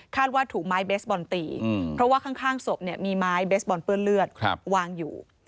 ว่าถูกไม้เบสบอลตีเพราะว่าข้างศพเนี่ยมีไม้เบสบอลเปื้อนเลือดวางอยู่